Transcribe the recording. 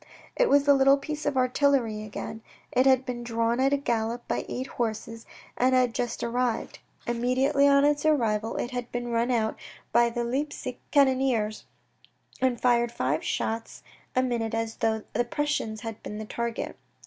It was the little piece of artillery again. It had been drawn at a gallop by eight horses and had just arrived. Immediately on its arrival it had been run out by the Leipsic cannoneers and fired five shots a minute as though the Prussians had been the target.